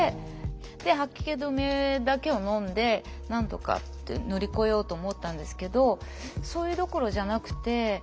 で吐き気止めだけをのんでなんとか乗り越えようと思ったんですけどそれどころじゃなくて。